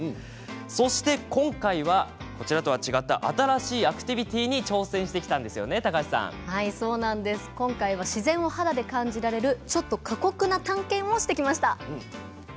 そして今回はこちらとは違った新しいアクティビティーに今回は自然を肌で感じられるちょっと過酷な探検をしてきました。